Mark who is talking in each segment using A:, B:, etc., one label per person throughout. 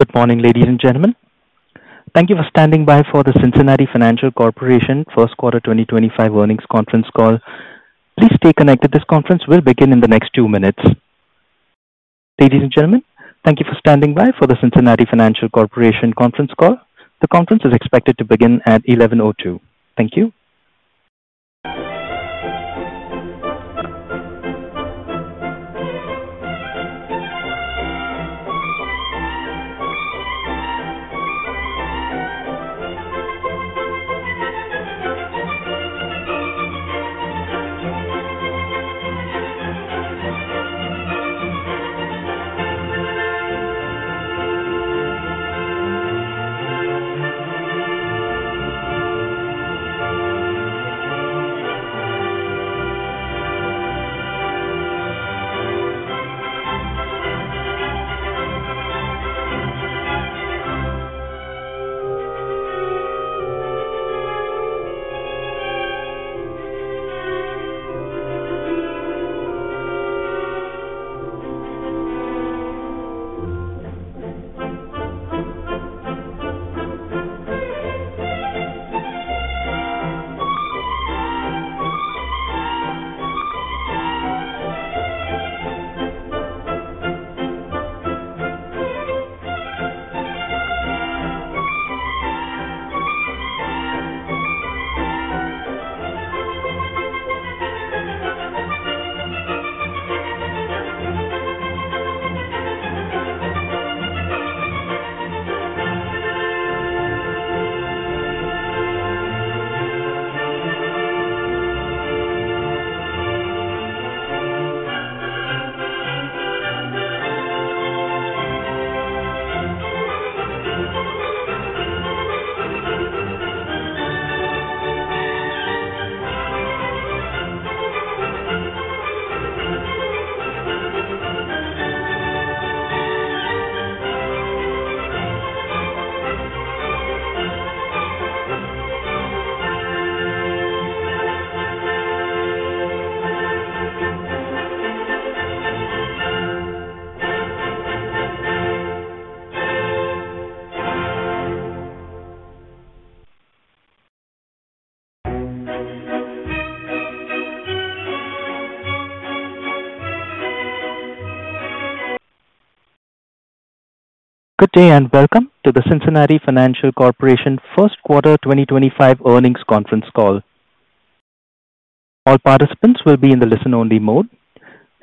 A: Good morning, ladies and gentlemen. Thank you for standing by for the Cincinnati Financial Corporation first quarter 2025 earnings conference call. Please stay connected. This conference will begin in the next two minutes. Ladies and gentlemen, thank you for standing by for the Cincinnati Financial Corporation conference call. The conference is expected to begin at 11:02. Thank you. Good day and welcome to the Cincinnati Financial Corporation first quarter 2025 earnings conference call. All participants will be in the listen-only mode.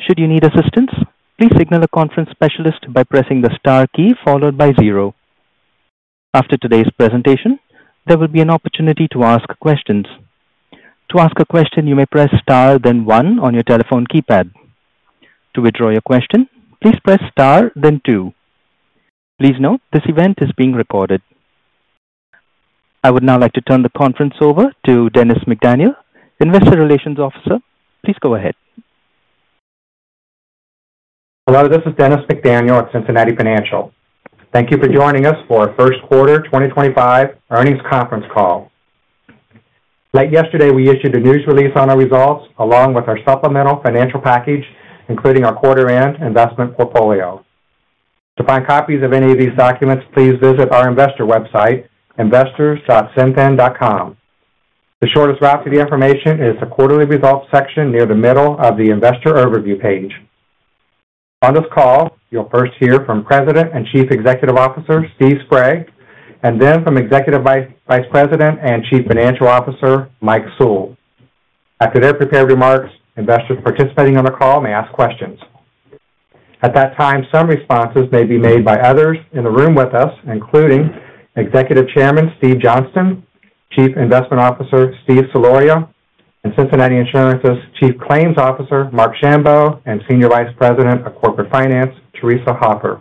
A: Should you need assistance, please signal a conference specialist by pressing the star key followed by zero. After today's presentation, there will be an opportunity to ask questions. To ask a question, you may press star, then one on your telephone keypad. To withdraw your question, please press star, then two. Please note, this event is being recorded. I would now like to turn the conference over to Dennis McDaniel, Investor Relations Officer. Please go ahead.
B: Hello, this is Dennis McDaniel at Cincinnati Financial. Thank you for joining us for our first quarter 2025 earnings conference call. Late yesterday, we issued a news release on our results along with our supplemental financial package, including our quarter-end investment portfolio. To find copies of any of these documents, please visit our investor website, investors.cinfin.com. The shortest route to the information is the quarterly results section near the middle of the investor overview page. On this call, you'll first hear from President and Chief Executive Officer, Steve Spray, and then from Executive Vice President and Chief Financial Officer, Mike Sewell. After their prepared remarks, investors participating on the call may ask questions. At that time, some responses may be made by others in the room with us, including Executive Chairman, Steve Johnston, Chief Investment Officer, Steve Soloria, and Cincinnati Insurance's Chief Claims Officer, Marc Schambow, and Senior Vice President of Corporate Finance, Theresa Hoffer.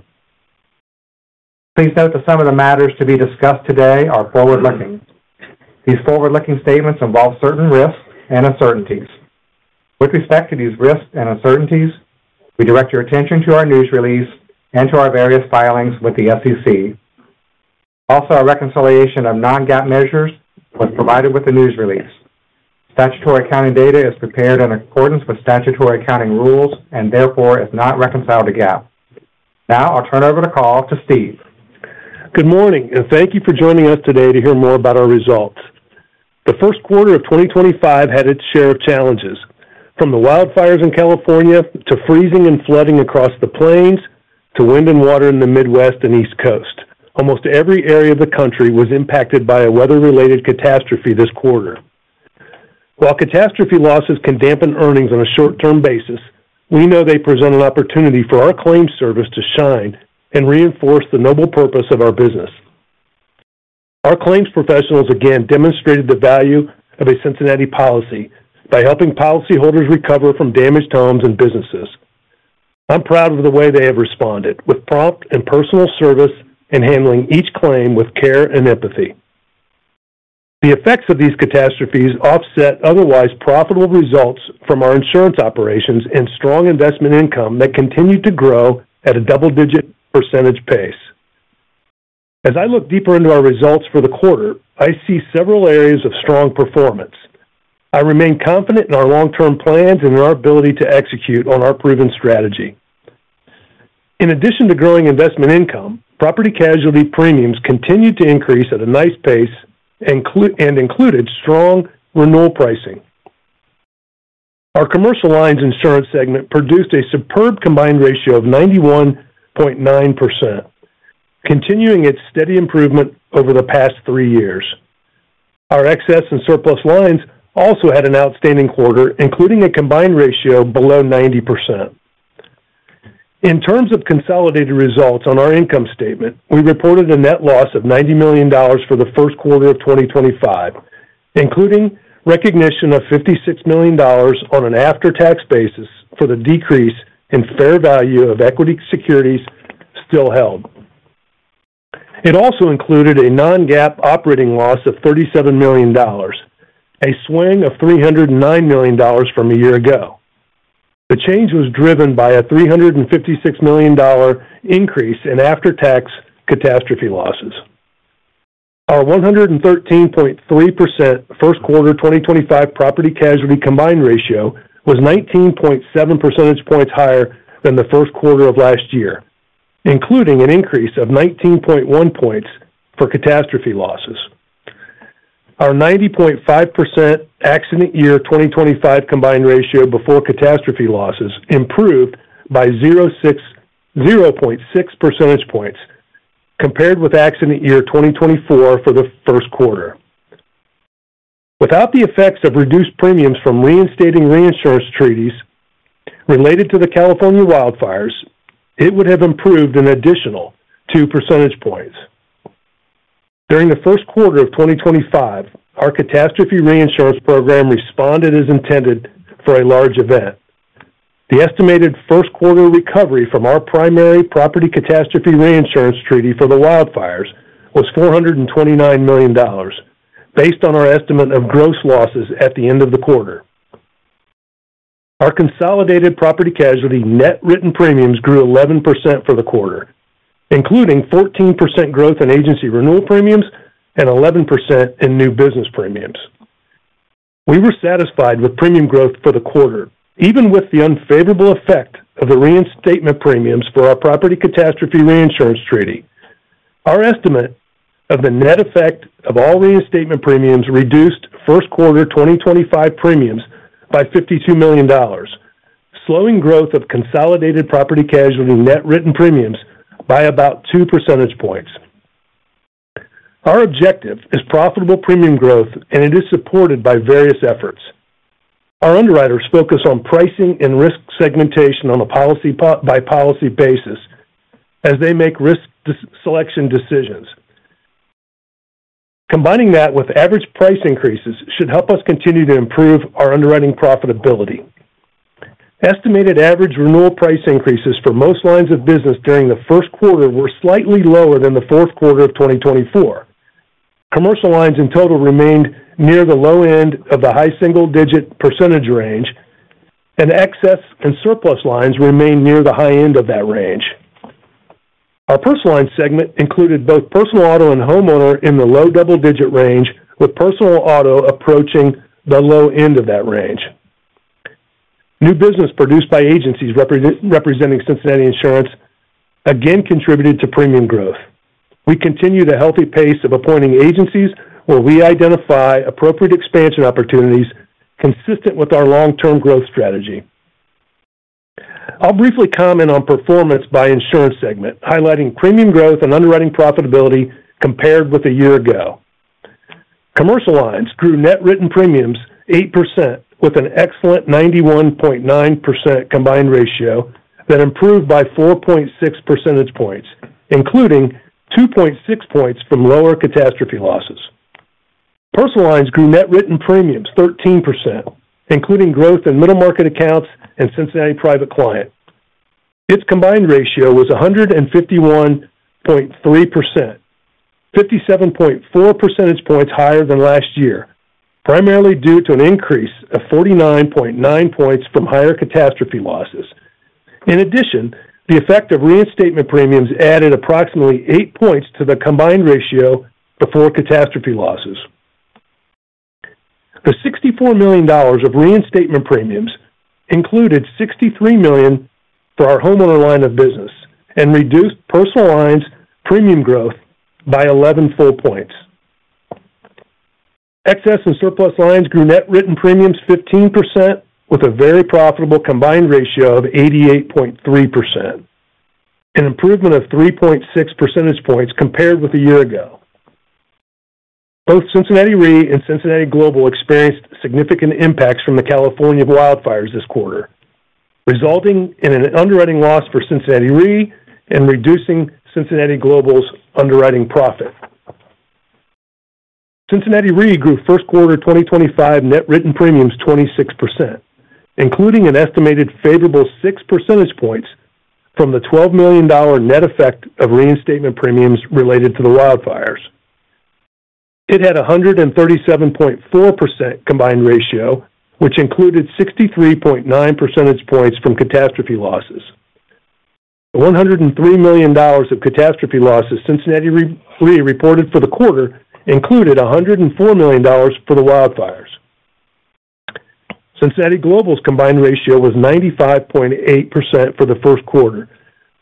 B: Please note that some of the matters to be discussed today are forward-looking. These forward-looking statements involve certain risks and uncertainties. With respect to these risks and uncertainties, we direct your attention to our news release and to our various filings with the SEC. Also, a reconciliation of non-GAAP measures was provided with the news release. Statutory accounting data is prepared in accordance with statutory accounting rules and therefore is not reconciled to GAAP. Now, I'll turn over the call to Steve.
C: Good morning, and thank you for joining us today to hear more about our results. The first quarter of 2025 had its share of challenges. From the wildfires in California to freezing and flooding across the Plains to wind and water in the Midwest and East Coast, almost every area of the country was impacted by a weather-related catastrophe this quarter. While catastrophe losses can dampen earnings on a short-term basis, we know they present an opportunity for our claims service to shine and reinforce the noble purpose of our business. Our claims professionals again demonstrated the value of a Cincinnati policy by helping policyholders recover from damaged homes and businesses. I'm proud of the way they have responded, with prompt and personal service in handling each claim with care and empathy. The effects of these catastrophes offset otherwise profitable results from our insurance operations and strong investment income that continued to grow at a double-digit percentage pace. As I look deeper into our results for the quarter, I see several areas of strong performance. I remain confident in our long-term plans and in our ability to execute on our proven strategy. In addition to growing investment income, property casualty premiums continued to increase at a nice pace and included strong renewal pricing. Our commercial lines insurance segment produced a superb combined ratio of 91.9%, continuing its steady improvement over the past three years. Our excess and surplus lines also had an outstanding quarter, including a combined ratio below 90%. In terms of consolidated results on our income statement, we reported a net loss of $90 million for the first quarter of 2025, including recognition of $56 million on an after-tax basis for the decrease in fair value of equity securities still held. It also included a non-GAAP operating loss of $37 million, a swing of $309 million from a year ago. The change was driven by a $356 million increase in after-tax catastrophe losses. Our 113.3% first quarter 2025 property casualty combined ratio was 19.7 percentage points higher than the first quarter of last year, including an increase of 19.1 points for catastrophe losses. Or 90.5% accident year 2025 combined ratio before catastrophe losses improved by 0.6 percentage points compared with accident year 2024 for the first quarter. Without the effects of reduced premiums from reinstating reinsurance treaties related to the California wildfires, it would have improved an additional 2 percentage points. During the first quarter of 2025, our catastrophe reinsurance program responded as intended for a large event. The estimated first quarter recovery from our primary property catastrophe reinsurance treaty for the wildfires was $429 million, based on our estimate of gross losses at the end of the quarter. Our consolidated property casualty net written premiums grew 11% for the quarter, including 14% growth in agency renewal premiums and 11% in new business premiums. We were satisfied with premium growth for the quarter, even with the unfavorable effect of the reinstatement premiums for our property catastrophe reinsurance treaty. Our estimate of the net effect of all reinstatement premiums reduced first quarter 2025 premiums by $52 million, slowing growth of consolidated property casualty net written premiums by about 2 percentage points. Our objective is profitable premium growth, and it is supported by various efforts. Our underwriters focus on pricing and risk segmentation on a policy-by-policy basis as they make risk selection decisions. Combining that with average price increases should help us continue to improve our underwriting profitability. Estimated average renewal price increases for most lines of business during the first quarter were slightly lower than the fourth quarter of 2024. Commercial lines in total remained near the low end of the high single-digit percentage range, and excess and surplus lines remained near the high end of that range. Our personal line segment included both personal auto and homeowner in the low double-digit range, with personal auto approaching the low end of that range. New business produced by agencies representing Cincinnati Insurance again contributed to premium growth. We continue the healthy pace of appointing agencies where we identify appropriate expansion opportunities consistent with our long-term growth strategy. I'll briefly comment on performance by insurance segment, highlighting premium growth and underwriting profitability compared with a year ago. Commercial lines grew net written premiums 8% with an excellent 91.9% combined ratio that improved by 4.6 percentage points, including 2.6 points from lower catastrophe losses. Personal lines grew net written premiums 13%, including growth in middle market accounts and Cincinnati Private Client. Its combined ratio was 151.3%, 57.4 percentage points higher than last year, primarily due to an increase of 49.9 points from higher catastrophe losses. In addition, the effect of reinstatement premiums added approximately 8 percentage points to the combined ratio before catastrophe losses. The $64 million of reinstatement premiums included $63 million for our homeowner line of business and reduced personal lines premium growth by 11 full percentage points. Excess and surplus lines grew net written premiums 15% with a very profitable combined ratio of 88.3%, an improvement of 3.6 percentage points compared with a year ago. Both Cincinnati Re and Cincinnati Global experienced significant impacts from the California wildfires this quarter, resulting in an underwriting loss for Cincinnati Re and reducing Cincinnati Global's underwriting profit. Cincinnati Re grew first quarter 2025 net written premiums 26%, including an estimated favorable 6 percentage points from the $12 million net effect of reinstatement premiums related to the wildfires. It had a 137.4% combined ratio, which included 63.9 percentage points from catastrophe losses. The $103 million of catastrophe losses Cincinnati Re reported for the quarter included $104 million for the wildfires. Cincinnati Global's combined ratio was 95.8% for the first quarter,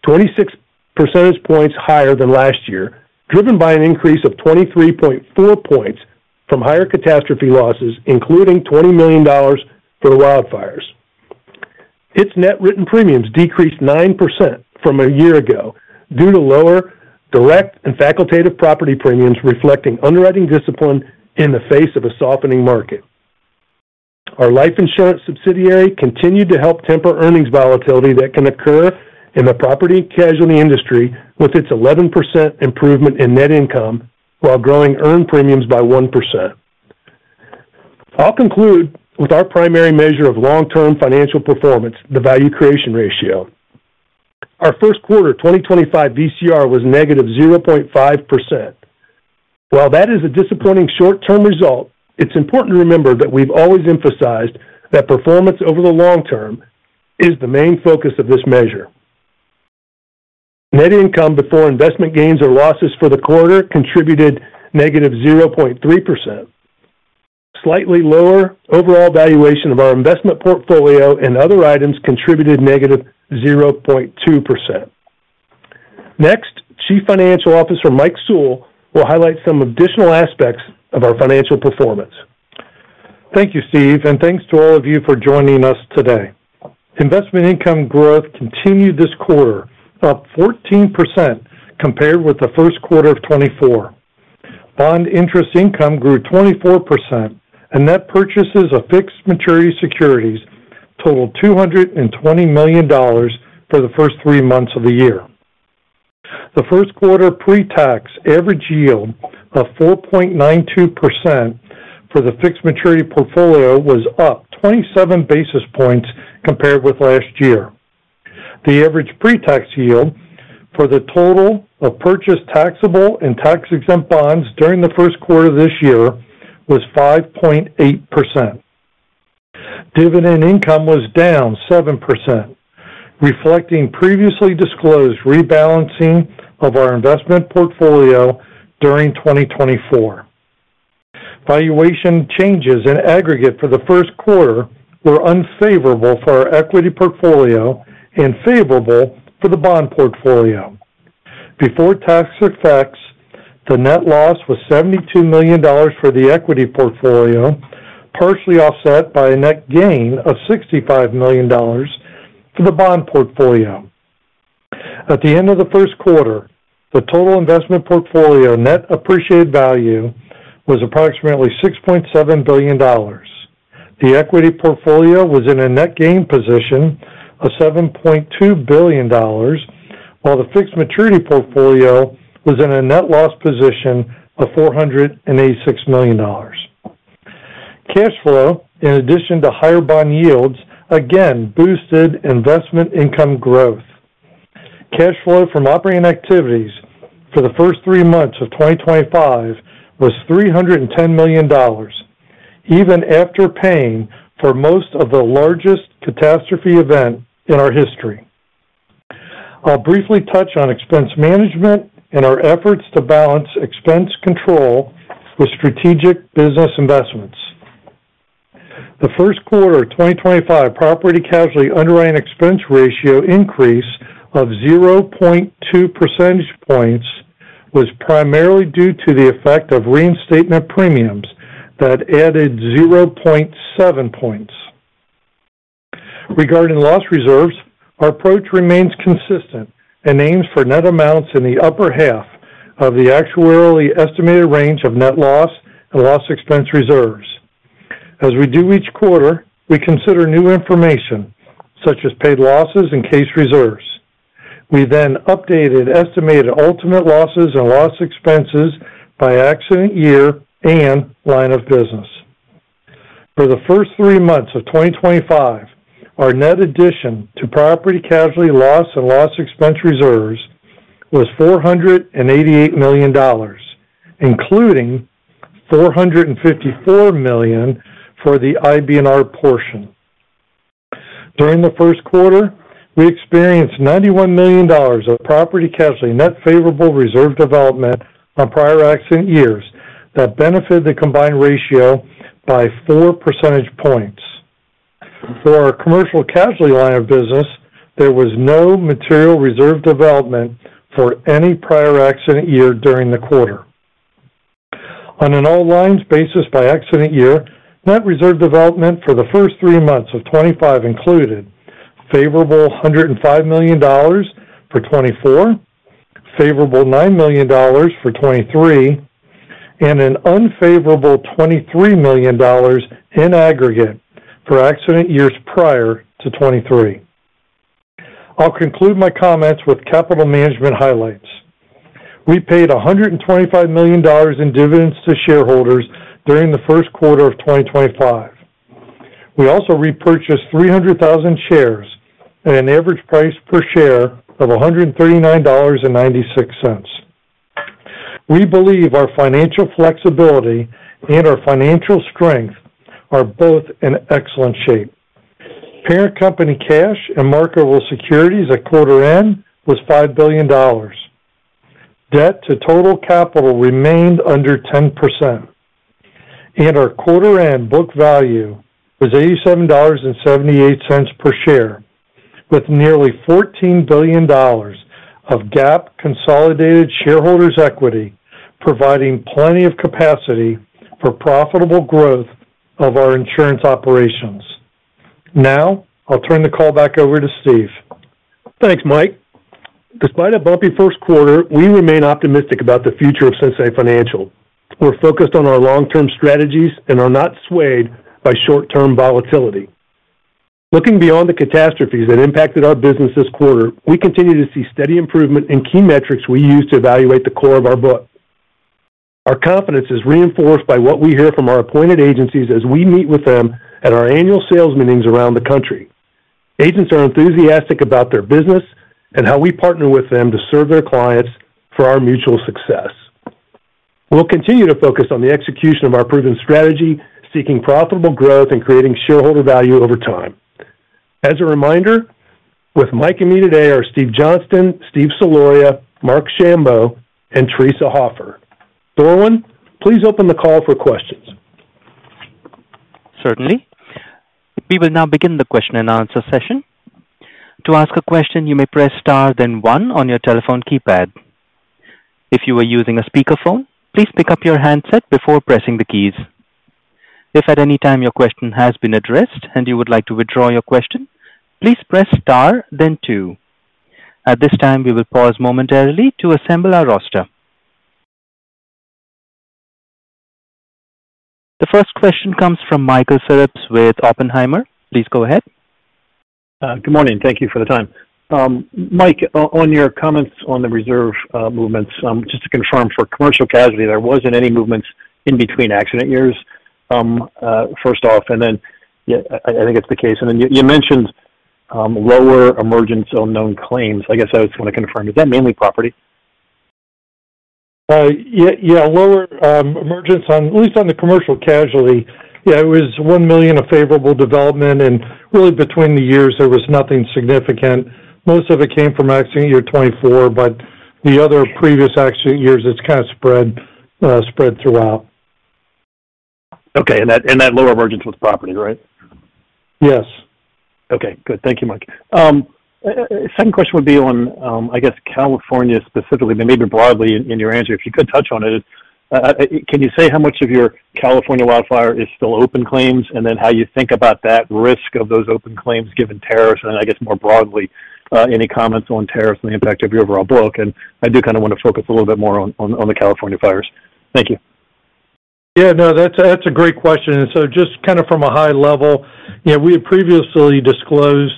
C: 26 percentage points higher than last year, driven by an increase of 23.4 points from higher catastrophe losses, including $20 million for the wildfires. Its net written premiums decreased 9% from a year ago due to lower direct and facultative property premiums reflecting underwriting discipline in the face of a softening market. Our life insurance subsidiary continued to help temper earnings volatility that can occur in the property casualty industry with its 11% improvement in net income while growing earned premiums by 1%. I'll conclude with our primary measure of long-term financial performance, the value creation ratio. Our first quarter 2025 VCR was negative 0.5%. While that is a disappointing short-term result, it's important to remember that we've always emphasized that performance over the long term is the main focus of this measure. Net income before investment gains or losses for the quarter contributed negative 0.3%. Slightly lower overall valuation of our investment portfolio and other items contributed negative 0.2%. Next, Chief Financial Officer Mike Sewell will highlight some additional aspects of our financial performance.
D: Thank you, Steve, and thanks to all of you for joining us today. Investment income growth continued this quarter, up 14% compared with the first quarter of 2024. Bond interest income grew 24%, and net purchases of fixed maturity securities totaled $220 million for the first three months of the year. The first quarter pre-tax average yield of 4.92% for the fixed maturity portfolio was up 27 basis points compared with last year. The average pre-tax yield for the total of purchased taxable and tax-exempt bonds during the first quarter of this year was 5.8%. Dividend income was down 7%, reflecting previously disclosed rebalancing of our investment portfolio during 2024. Valuation changes in aggregate for the first quarter were unfavorable for our equity portfolio and favorable for the bond portfolio. Before tax effects, the net loss was $72 million for the equity portfolio, partially offset by a net gain of $65 million for the bond portfolio. At the end of the first quarter, the total investment portfolio net appreciated value was approximately $6.7 billion. The equity portfolio was in a net gain position of $7.2 billion, while the fixed maturity portfolio was in a net loss position of $486 million. Cash flow, in addition to higher bond yields, again boosted investment income growth. Cash flow from operating activities for the first three months of 2025 was $310 million, even after paying for most of the largest catastrophe event in our history. I'll briefly touch on expense management and our efforts to balance expense control with strategic business investments. The first quarter 2025 property casualty underwriting expense ratio increase of 0.2 percentage points was primarily due to the effect of reinstatement premiums that added 0.7 points. Regarding loss reserves, our approach remains consistent and aims for net amounts in the upper half of the actuarially estimated range of net loss and loss expense reserves. As we do each quarter, we consider new information, such as paid losses and case reserves. We then updated estimated ultimate losses and loss expenses by accident year and line of business. For the first three months of 2025, our net addition to property casualty loss and loss expense reserves was $488 million, including $454 million for the IBNR portion. During the first quarter, we experienced $91 million of property casualty net favorable reserve development on prior accident years that benefited the combined ratio by 4 percentage points. For our commercial casualty line of business, there was no material reserve development for any prior accident year during the quarter. On an all-lines basis by accident year, net reserve development for the first three months of 2025 included favorable $105 million for 2024, favorable $9 million for 2023, and an unfavorable $23 million in aggregate for accident years prior to 2023. I'll conclude my comments with capital management highlights. We paid $125 million in dividends to shareholders during the first quarter of 2025. We also repurchased 300,000 shares at an average price per share of $139.96. We believe our financial flexibility and our financial strength are both in excellent shape. Parent company cash and marketable securities at quarter end was $5 billion. Debt to total capital remained under 10%, and our quarter end book value was $87.78 per share, with nearly $14 billion of GAAP consolidated shareholders' equity providing plenty of capacity for profitable growth of our insurance operations. Now, I'll turn the call back over to Steve.
C: Thanks, Mike. Despite a bumpy first quarter, we remain optimistic about the future of Cincinnati Financial. We're focused on our long-term strategies and are not swayed by short-term volatility. Looking beyond the catastrophes that impacted our business this quarter, we continue to see steady improvement in key metrics we use to evaluate the core of our book. Our confidence is reinforced by what we hear from our appointed agencies as we meet with them at our annual sales meetings around the country. Agents are enthusiastic about their business and how we partner with them to serve their clients for our mutual success. We'll continue to focus on the execution of our proven strategy, seeking profitable growth and creating shareholder value over time. As a reminder, with Mike and me today are Steve Johnston, Steve Soloria, Marc Schambow, and Theresa Hoffer. Darwin, please open the call for questions.
A: Certainly. We will now begin the question and answer session. To ask a question, you may press star then one on your telephone keypad. If you are using a speakerphone, please pick up your handset before pressing the keys. If at any time your question has been addressed and you would like to withdraw your question, please press star then two. At this time, we will pause momentarily to assemble our roster. The first question comes from Michael Phillips with Oppenheimer. Please go ahead.
E: Good morning. Thank you for the time. Mike, on your comments on the reserve movements, just to confirm, for commercial casualty, there was not any movements in between accident years, first off, and then I think it is the case. You mentioned lower emergence unknown claims. I guess I just want to confirm. Is that mainly property?
D: Yeah. Lower emergence, at least on the commercial casualty, yeah, it was $1 million of favorable development. Really, between the years, there was nothing significant. Most of it came from accident year 2024, but the other previous accident years, it is kind of spread throughout.
E: Okay. That lower emergence was property, right?
D: Yes.
E: Okay. Good. Thank you, Mike. Second question would be on, I guess, California specifically, but maybe broadly in your answer, if you could touch on it. Can you say how much of your California wildfire is still open claims and then how you think about that risk of those open claims given tariffs? I guess, more broadly, any comments on tariffs and the impact of your overall book? I do kind of want to focus a little bit more on the California fires. Thank you.
D: Yeah. No, that's a great question. Just kind of from a high level, we had previously disclosed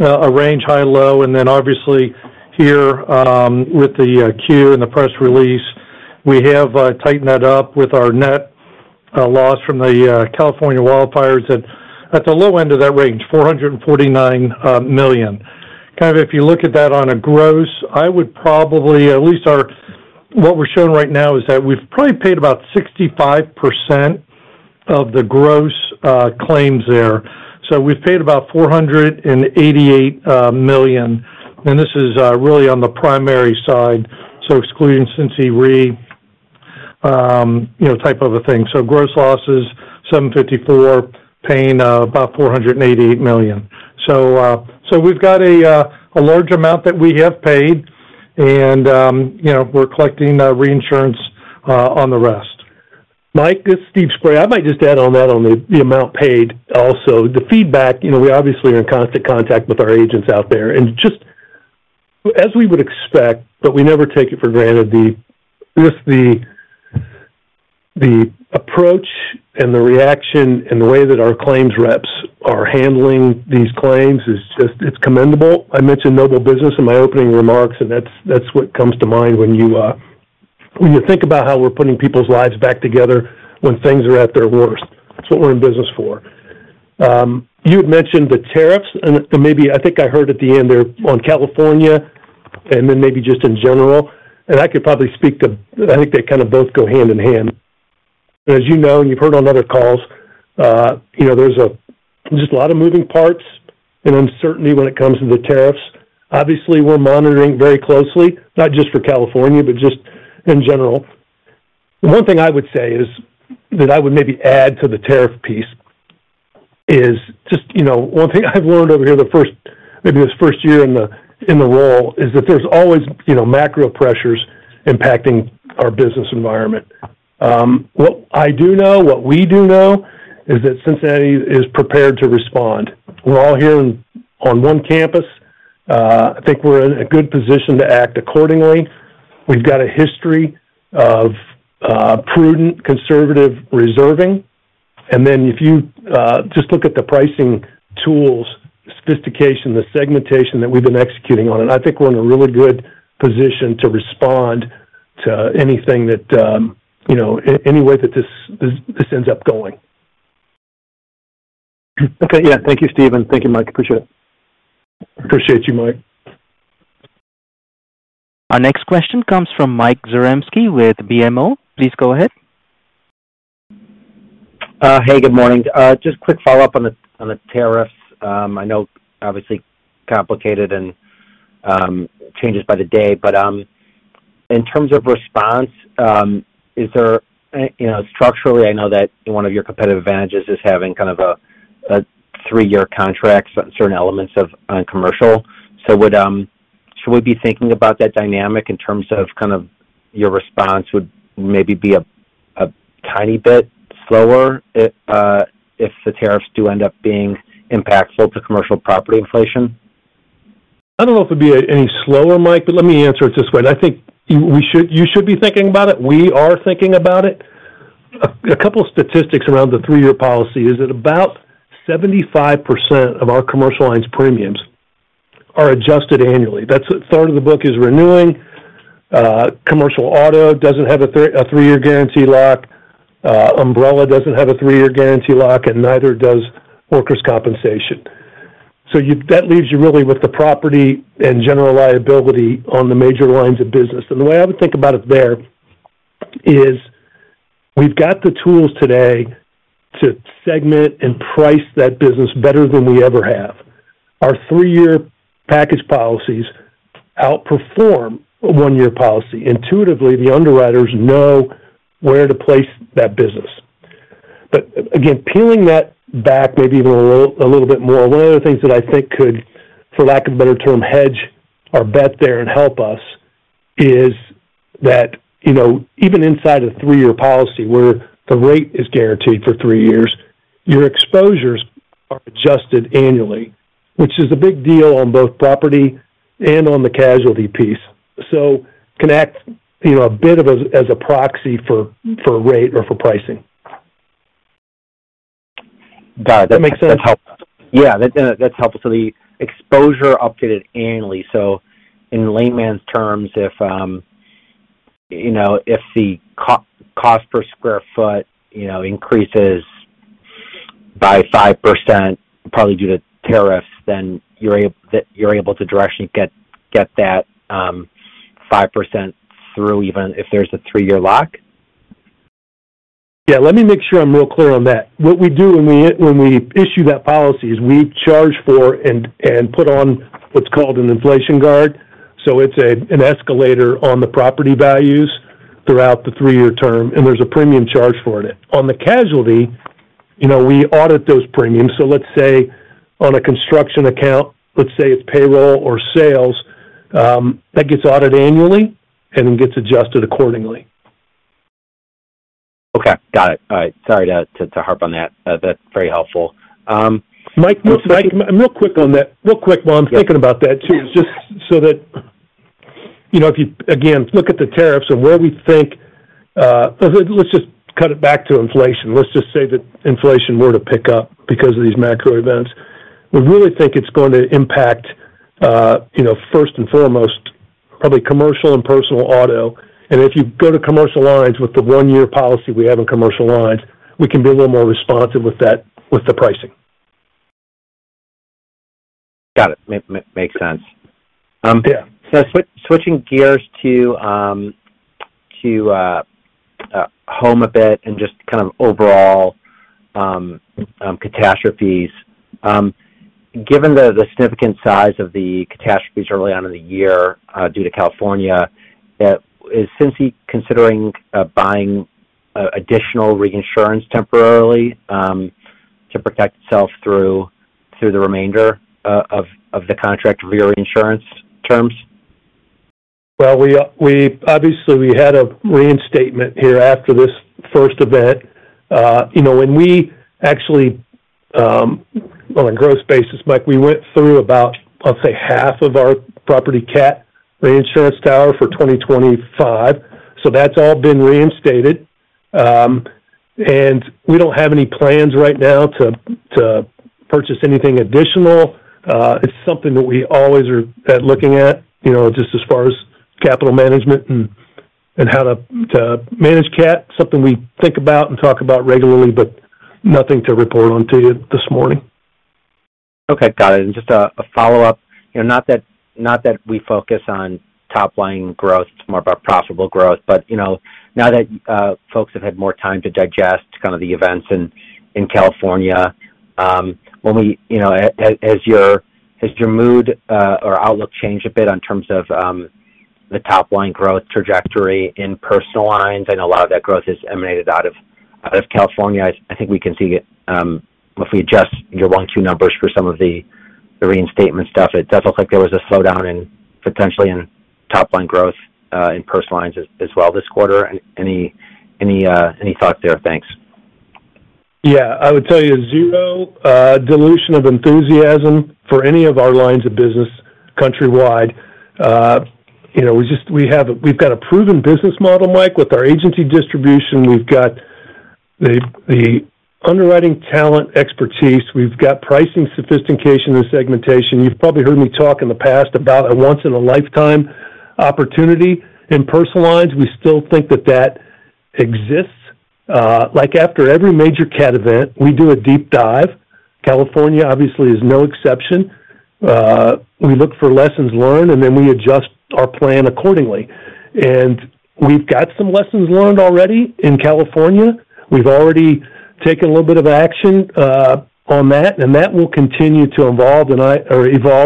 D: a range, high, low, and then obviously here with the Q and the press release, we have tightened that up with our net loss from the California wildfires at the low end of that range, $449 million. Kind of if you look at that on a gross, I would probably at least what we're showing right now is that we've probably paid about 65% of the gross claims there. We have paid about $488 million. This is really on the primary side, so excluding Cincinnati Re type of a thing. Gross losses, $754 million, paying about $488 million. We have a large amount that we have paid, and we're collecting reinsurance on the rest.
C: Mike, this is Steve Spray. I might just add on that on the amount paid also. The feedback, we obviously are in constant contact with our agents out there. Just as we would expect, but we never take it for granted, just the approach and the reaction and the way that our claims reps are handling these claims is just commendable. I mentioned noble business in my opening remarks, and that's what comes to mind when you think about how we're putting people's lives back together when things are at their worst. That's what we're in business for. You had mentioned the tariffs, and maybe I think I heard at the end they're on California and then maybe just in general. I could probably speak to I think they kind of both go hand in hand. As you know, and you've heard on other calls, there's just a lot of moving parts and uncertainty when it comes to the tariffs. Obviously, we're monitoring very closely, not just for California, but just in general. One thing I would say is that I would maybe add to the tariff piece is just one thing I've learned over here maybe this first year in the role is that there's always macro pressures impacting our business environment. What I do know, what we do know, is that Cincinnati is prepared to respond. We're all here on one campus. I think we're in a good position to act accordingly. We've got a history of prudent, conservative reserving. If you just look at the pricing tools, the sophistication, the segmentation that we've been executing on it, I think we're in a really good position to respond to anything that any way that this ends up going.
E: Okay. Yeah. Thank you, Steve. And thank you, Mike. Appreciate it.
D: Appreciate you, Mike.
A: Our next question comes from Mike Zaremski with BMO. Please go ahead.
F: Hey, good morning. Just quick follow-up on the tariffs. I know obviously complicated and changes by the day, but in terms of response, is there structurally, I know that one of your competitive advantages is having kind of a three-year contract on certain elements on commercial. Should we be thinking about that dynamic in terms of kind of your response would maybe be a tiny bit slower if the tariffs do end up being impactful to commercial property inflation?
C: I do not know if it would be any slower, Mike, but let me answer it this way. I think you should be thinking about it. We are thinking about it. A couple of statistics around the three-year policy. Is it about 75% of our commercial lines premiums are adjusted annually? That is a third of the book is renewing. Commercial auto does not have a three-year guarantee lock. Umbrella does not have a three-year guarantee lock, and neither does workers' compensation. That leaves you really with the property and general liability on the major lines of business. The way I would think about it there is we have the tools today to segment and price that business better than we ever have. Our three-year package policies outperform a one-year policy. Intuitively, the underwriters know where to place that business. Again, peeling that back maybe even a little bit more, one of the things that I think could, for lack of a better term, hedge our bet there and help us is that even inside a three-year policy where the rate is guaranteed for three years, your exposures are adjusted annually, which is a big deal on both property and on the casualty piece. Can act a bit as a proxy for rate or for pricing.
F: Got it. That makes sense. Yeah. That's helpful. The exposure updated annually. In layman's terms, if the cost per sq ft increases by 5%, probably due to tariffs, then you're able to directly get that 5% through even if there's a three-year lock?
C: Yeah. Let me make sure I'm real clear on that. What we do when we issue that policy is we charge for and put on what's called an inflation guard. It's an escalator on the property values throughout the three-year term. There's a premium charge for it. On the casualty, we audit those premiums. Let's say on a construction account, let's say it's payroll or sales, that gets audited annually and gets adjusted accordingly.
F: Okay. Got it. All right. Sorry to harp on that. That's very helpful.
C: Mike, real quick on that. Real quick while I'm thinking about that too, just so that if you again look at the tariffs and where we think let's just cut it back to inflation. Let's just say that inflation were to pick up because of these macro events. We really think it's going to impact, first and foremost, probably commercial and personal auto. If you go to commercial lines with the one-year policy we have in commercial lines, we can be a little more responsive with the pricing.
F: Got it. Makes sense. Switching gears to home a bit and just kind of overall catastrophes, given the significant size of the catastrophes early on in the year due to California, is Cincinnati considering buying additional reinsurance temporarily to protect itself through the remainder of the contract reinsurance terms?
C: Obviously, we had a reinstatement here after this first event. When we actually, on a gross basis, Mike, we went through about, I'll say, half of our property cat reinsurance tower for 2025. So that's all been reinstated. We do not have any plans right now to purchase anything additional. It is something that we always are looking at just as far as capital management and how to manage cat. Something we think about and talk about regularly, but nothing to report on to you this morning.
F: Okay. Got it. Just a follow-up. Not that we focus on top-line growth, more about profitable growth. Now that folks have had more time to digest kind of the events in California, has your mood or outlook changed a bit in terms of the top-line growth trajectory in personal lines? I know a lot of that growth has emanated out of California. I think we can see if we adjust your one-two numbers for some of the reinstatement stuff, it does look like there was a slowdown potentially in top-line growth in personal lines as well this quarter. Any thoughts there? Thanks.
C: Yeah. I would tell you zero dilution of enthusiasm for any of our lines of business countrywide. We've got a proven business model, Mike, with our agency distribution. We've got the underwriting talent expertise. We've got pricing sophistication and segmentation. You've probably heard me talk in the past about a once-in-a-lifetime opportunity in personal lines. We still think that that exists. After every major cat event, we do a deep dive. California, obviously, is no exception. We look for lessons learned, and then we adjust our plan accordingly. We've got some lessons learned already in California. We've already taken a little bit of action on that, and that will continue to evolve,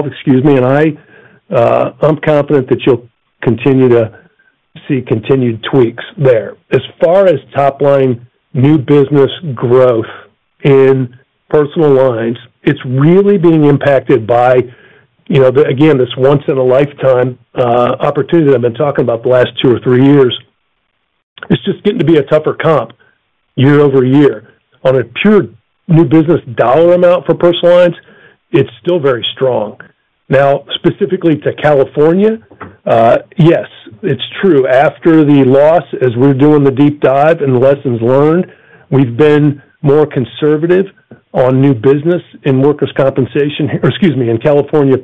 C: excuse me. I'm confident that you'll continue to see continued tweaks there. As far as top-line new business growth in personal lines, it's really being impacted by, again, this once-in-a-lifetime opportunity that I've been talking about the last two or three years. It's just getting to be a tougher comp year over year. On a pure new business dollar amount for personal lines, it's still very strong. Now, specifically to California, yes, it's true. After the loss, as we're doing the deep dive and the lessons learned, we've been more conservative on new business in workers' compensation or, excuse me, in California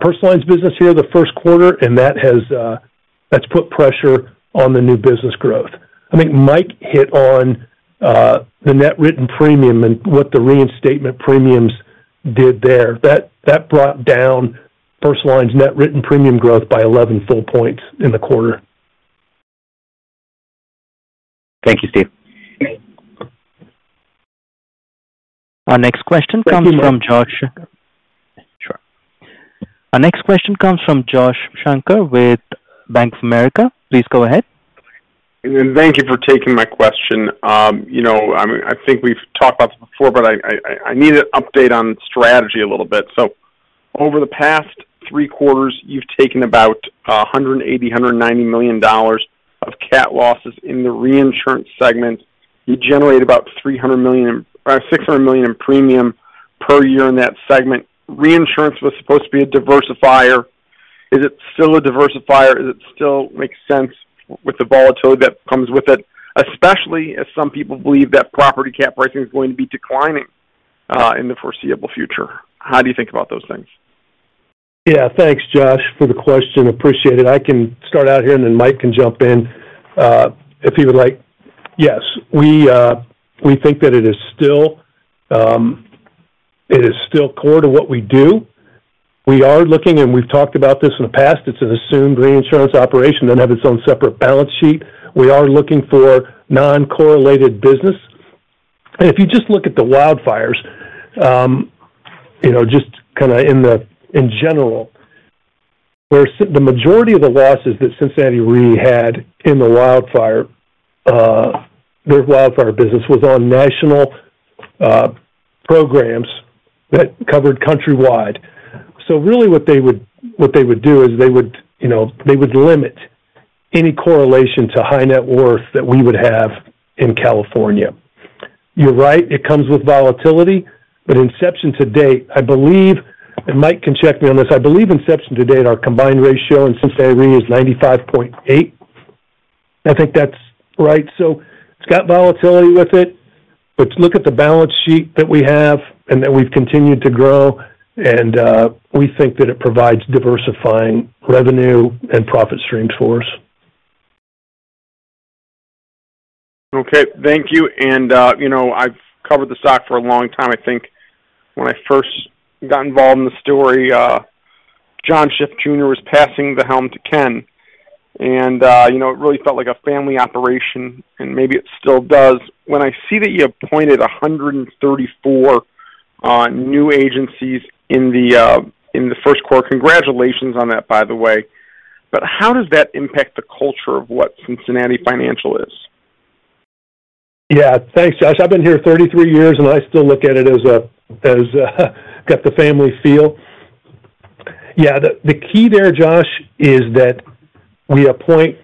C: personal lines business here the first quarter, and that's put pressure on the new business growth. I think Mike hit on the net written premium and what the reinstatement premiums did there. That brought down personal lines net written premium growth by 11 full points in the quarter.
F: Thank you, Steve.
A: Our next question comes from Josh Shanker. Our next question comes from Josh Shanker with Bank of America. Please go ahead.
G: Thank you for taking my question. I think we've talked about this before, but I need an update on strategy a little bit. Over the past three quarters, you've taken about $180-$190 million of cat losses in the reinsurance segment. You generated about $600 million in premium per year in that segment. Reinsurance was supposed to be a diversifier. Is it still a diversifier? Does it still make sense with the volatility that comes with it, especially as some people believe that property cat pricing is going to be declining in the foreseeable future? How do you think about those things?
C: Yeah. Thanks, Josh, for the question. Appreciate it. I can start out here, and then Mike can jump in if he would like. Yes. We think that it is still core to what we do. We are looking, and we've talked about this in the past. It's an assumed reinsurance operation, then have its own separate balance sheet. We are looking for non-correlated business. And if you just look at the wildfires, just kind of in general, the majority of the losses that Cincinnati really had in the wildfire, their wildfire business was on national programs that covered countrywide. What they would do is they would limit any correlation to high net worth that we would have in California. You're right. It comes with volatility. Inception to date, I believe—and Mike can check me on this—I believe inception to date, our combined ratio in Cincinnati Re is 95.8. I think that's right. It has volatility with it. Look at the balance sheet that we have, and that we've continued to grow. We think that it provides diversifying revenue and profit streams for us.
G: Thank you. I've covered the stock for a long time. I think when I first got involved in the story, John Schiff, Jr., was passing the helm to Ken. It really felt like a family operation, and maybe it still does. When I see that you appointed 134 new agencies in the first quarter—congratulations on that, by the way—but how does that impact the culture of what Cincinnati Financial is?
C: Yeah. Thanks, Josh. I've been here 33 years, and I still look at it as got the family feel. Yeah. The key there, Josh, is that we appoint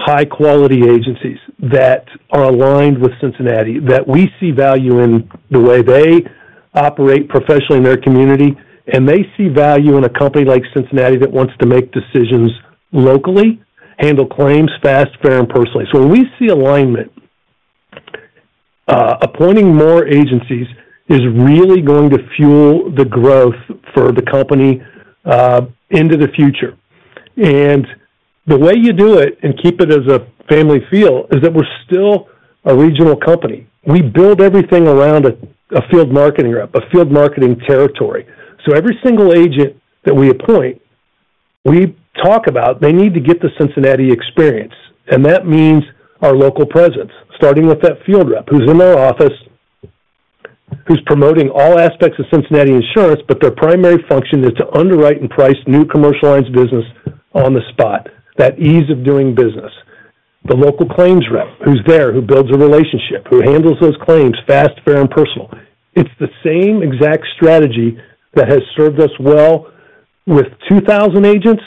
C: high-quality agencies that are aligned with Cincinnati, that we see value in the way they operate professionally in their community, and they see value in a company like Cincinnati that wants to make decisions locally, handle claims fast, fair, and personally. When we see alignment, appointing more agencies is really going to fuel the growth for the company into the future. The way you do it and keep it as a family feel is that we're still a regional company. We build everything around a field marketing rep, a field marketing territory. Every single agent that we appoint, we talk about they need to get the Cincinnati experience. That means our local presence, starting with that field rep who's in their office, who's promoting all aspects of Cincinnati Insurance, but their primary function is to underwrite and price new commercial lines business on the spot. That ease of doing business. The local claims rep who's there, who builds a relationship, who handles those claims fast, fair, and personal. It's the same exact strategy that has served us well with 2,000 agents.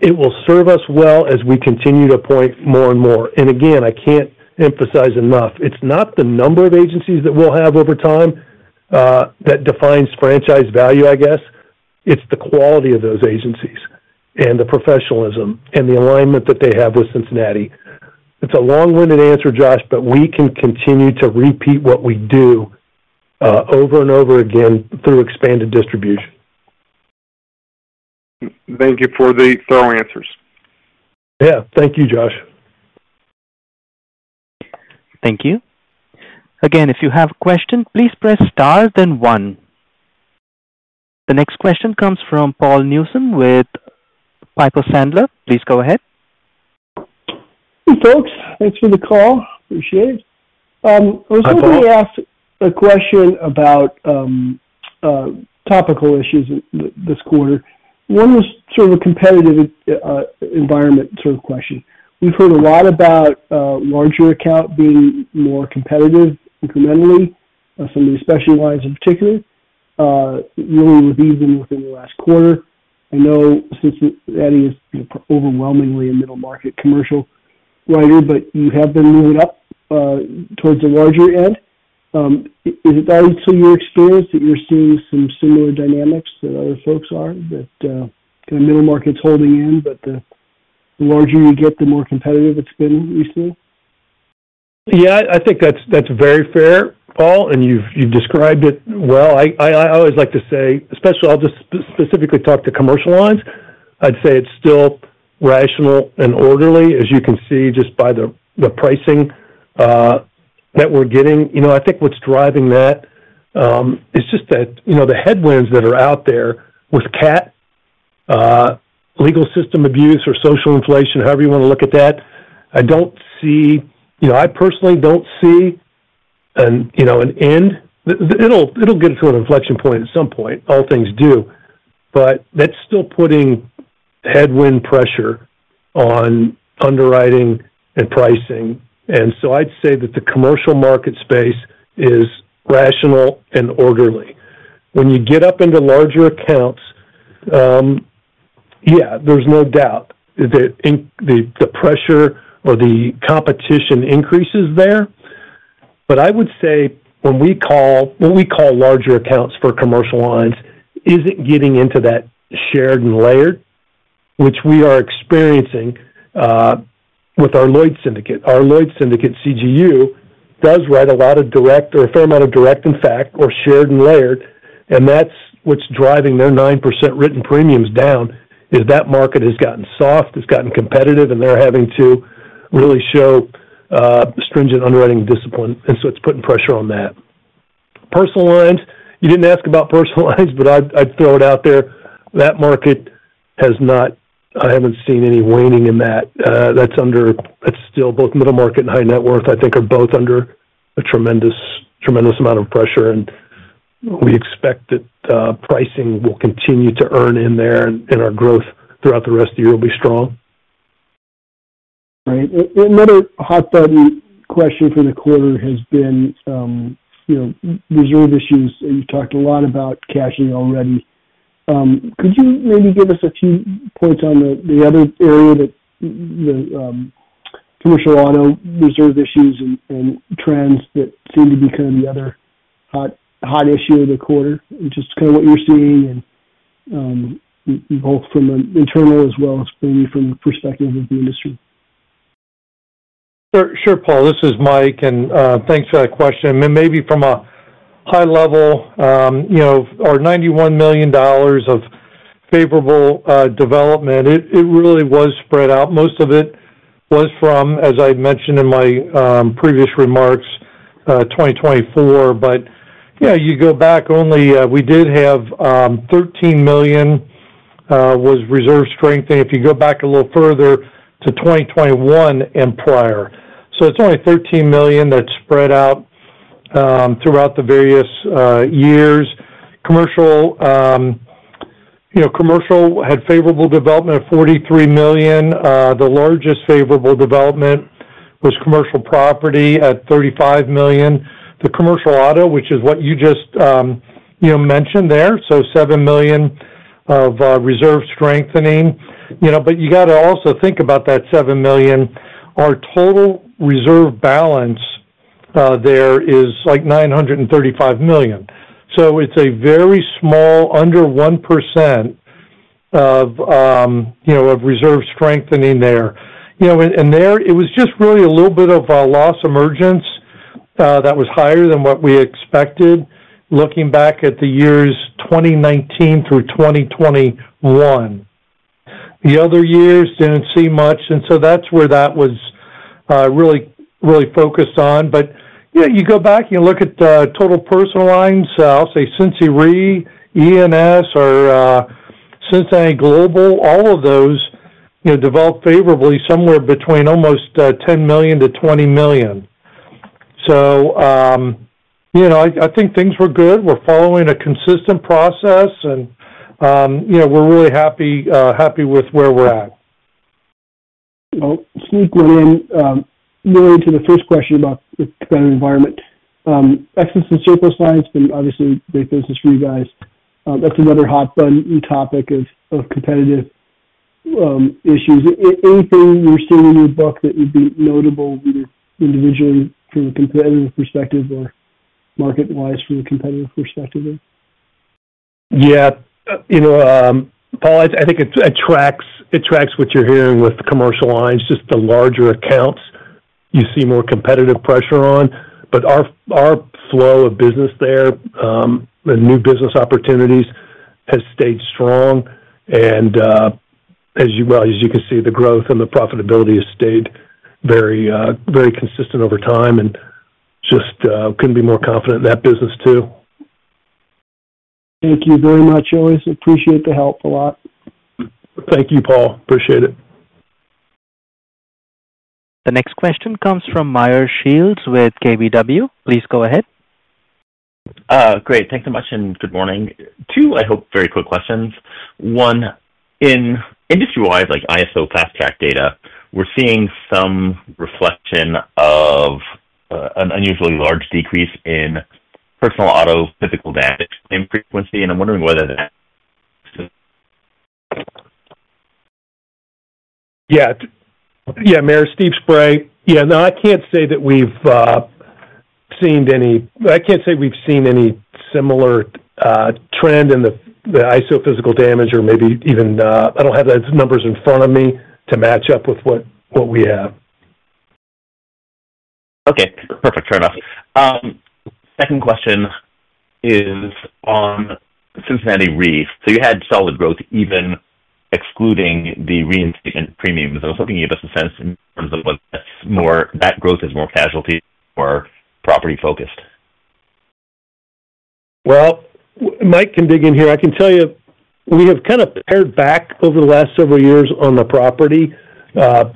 C: It will serve us well as we continue to appoint more and more. I can't emphasize enough. It's not the number of agencies that we'll have over time that defines franchise value, I guess. It's the quality of those agencies and the professionalism and the alignment that they have with Cincinnati. It's a long-winded answer, Josh, but we can continue to repeat what we do over and over again through expanded distribution.
G: Thank you for the thorough answers.
C: Yeah. Thank you, Josh.
A: Thank you. Again, if you have a question, please press star, then one. The next question comes from Paul Newsome with Piper Sandler. Please go ahead.
H: Hey, folks. Thanks for the call. Appreciate it. I was going to ask a question about topical issues this quarter. One was sort of a competitive environment sort of question. We've heard a lot about larger account being more competitive incrementally, some of the special lines in particular, really with even within the last quarter. I know Cincinnati is overwhelmingly a middle-market commercial writer, but you have been moving up towards the larger end. Is it always to your experience that you're seeing some similar dynamics that other folks are that kind of middle market's holding in, but the larger you get, the more competitive it's been recently?
C: Yeah. I think that's very fair, Paul, and you've described it well. I always like to say, especially I'll just specifically talk to commercial lines, I'd say it's still rational and orderly, as you can see just by the pricing that we're getting. I think what's driving that is just that the headwinds that are out there with cat, legal system abuse, or social inflation, however you want to look at that, I don't see—I personally don't see an end. It'll get to an inflection point at some point, all things do. That's still putting headwind pressure on underwriting and pricing. I'd say that the commercial market space is rational and orderly. When you get up into larger accounts, yeah, there's no doubt that the pressure or the competition increases there. I would say when we call larger accounts for commercial lines, is it getting into that shared and layered, which we are experiencing with our Lloyd's Syndicate? Our Lloyd's Syndicate CGU does write a lot of direct or a fair amount of direct, in fact, or shared and layered. That's what's driving their 9% written premiums down, is that market has gotten soft, has gotten competitive, and they're having to really show stringent underwriting discipline. It's putting pressure on that. Personal lines, you didn't ask about personal lines, but I'd throw it out there. That market has not—I haven't seen any waning in that. That's still both middle market and high net worth, I think, are both under a tremendous amount of pressure. We expect that pricing will continue to earn in there, and our growth throughout the rest of the year will be strong.
H: Right. Another hot-button question for the quarter has been reserve issues. You've talked a lot about cashing already. Could you maybe give us a few points on the other area that the commercial auto reserve issues and trends that seem to be kind of the other hot issue of the quarter, just kind of what you're seeing both from an internal as well as maybe from the perspective of the industry?
D: Sure, Paul. This is Mike, and thanks for that question. Maybe from a high level, our $91 million of favorable development, it really was spread out. Most of it was from, as I mentioned in my previous remarks, 2024. Yeah, you go back only, we did have $13 million was reserve strengthening. If you go back a little further to 2021 and prior. It is only $13 million that is spread out throughout the various years. Commercial had favorable development of $43 million. The largest favorable development was commercial property at $35 million. The commercial auto, which is what you just mentioned there, so $7 million of reserve strengthening. You got to also think about that $7 million. Our total reserve balance there is like $935 million. It is a very small, under 1% of reserve strengthening there. It was just really a little bit of a loss emergence that was higher than what we expected looking back at the years 2019 through 2021. The other years did not see much. That was really focused on there. Yeah, you go back, you look at total personal lines, I'll say Cincy Re, E&S, or Cincinnati Global, all of those developed favorably somewhere between almost $10 million-$20 million. I think things were good. We're following a consistent process, and we're really happy with where we're at.
H: Sneak one in really to the first question about the competitive environment. Excellence in surplus lines has been obviously great business for you guys. That's another hot-button topic of competitive issues. Anything you're seeing in your book that would be notable either individually from a competitive perspective or market-wise from a competitive perspective?
C: Yeah. Paul, I think it tracks what you're hearing with commercial lines, just the larger accounts you see more competitive pressure on. Our flow of business there and new business opportunities has stayed strong. As you can see, the growth and the profitability has stayed very consistent over time, and just couldn't be more confident in that business too.
H: Thank you very much, we always appreciate the help a lot.
C: Thank you, Paul. Appreciate it.
A: The next question comes from Meyer Shields with KBW. Please go ahead.
I: Great. Thanks so much and good morning. Two, I hope, very quick questions. One, in industry-wise, like ISO FastTrack data, we're seeing some reflection of an unusually large decrease in personal auto physical damage and frequency. I'm wondering whether that's— Yeah.
C: Yeah. Meyer, Steve Spray. No, I can't say that we've seen any—I can't say we've seen any similar trend in the ISO physical damage or maybe even—I don't have those numbers in front of me to match up with what we have.
I: Okay. Perfect. Fair enough. Second question is on Cincinnati Re. You had solid growth even excluding the reinstatement premiums. I was hoping you gave us a sense in terms of whether that growth is more casualty or property-focused.
C: Mike can dig in here. I can tell you we have kind of pared back over the last several years on the property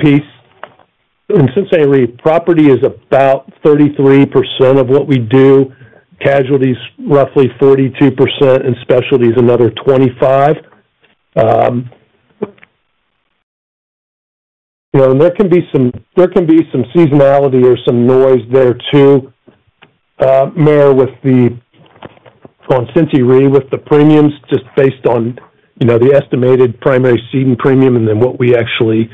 C: piece. In Cincinnati Re, property is about 33% of what we do. Casualty is roughly 42%, and specialties another 25%. There can be some seasonality or some noise there too. Meyer with the—oh, and Cincy Re with the premiums just based on the estimated primary ceded premium and then what we actually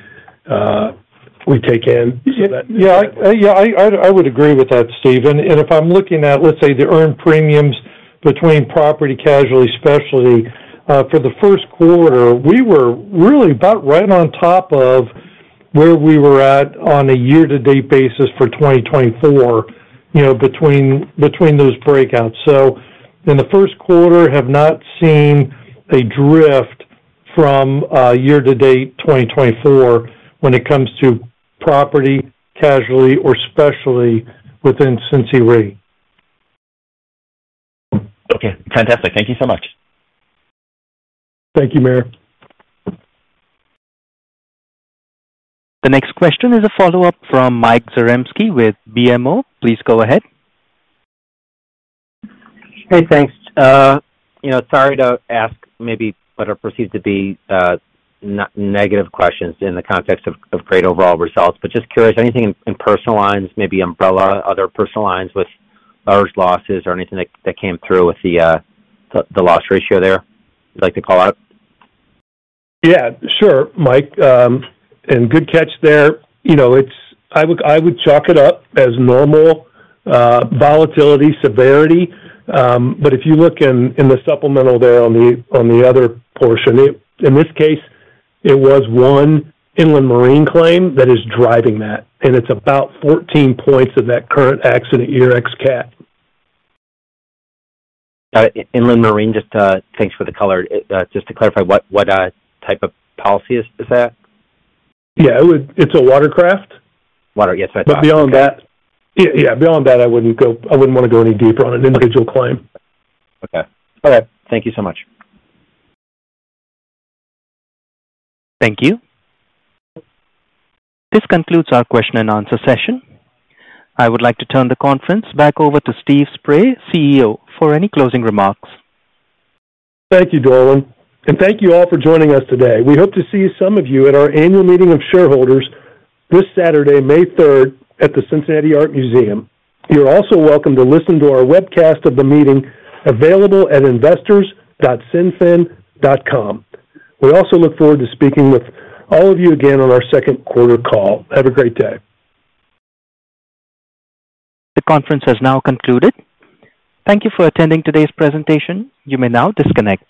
C: take in.
D: Yeah. Yeah. I would agree with that, Steve. If I'm looking at, let's say, the earned premiums between property, casualty, specialty, for the first quarter, we were really about right on top of where we were at on a year-to-date basis for 2024 between those breakouts. In the first quarter, have not seen a drift from year-to-date 2024 when it comes to property, casualty, or specialty within Cincy Re.
I: Okay. Fantastic. Thank you so much.
C: Thank you, Meyer.
A: The next question is a follow-up from Mike Zaremski with BMO. Please go ahead.
F: Hey, thanks. Sorry to ask maybe what are perceived to be negative questions in the context of great overall results, but just curious, anything in personal lines, maybe umbrella, other personal lines with large losses or anything that came through with the loss ratio there you'd like to call out?
C: Yeah. Sure, Mike. And good catch there. I would chalk it up as normal volatility, severity. If you look in the supplemental there on the other portion, in this case, it was one inland marine claim that is driving that. It is about 14 points of that current accident year ex-CAT.
F: Got it. Inland marine, just thanks for the color. Just to clarify, what type of policy is that?
C: Yeah. It is a watercraft.
F: Water. Yes, I apologize.
C: Beyond that, I would not want to go any deeper on an individual claim.
F: Okay. All right. Thank you so much.
A: Thank you. This concludes our question and answer session. I would like to turn the conference back over to Steve Spray, CEO, for any closing remarks.
C: Thank you, Dorwen. Thank you all for joining us today. We hope to see some of you at our annual meeting of shareholders this Saturday, May 3, at the Cincinnati Art Museum. You're also welcome to listen to our webcast of the meeting available at investors.cinfin.com. We also look forward to speaking with all of you again on our second quarter call. Have a great day.
A: The conference has now concluded. Thank you for attending today's presentation. You may now disconnect.